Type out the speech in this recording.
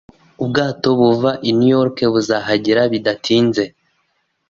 Ubwato buva i New York buzahagera bidatinze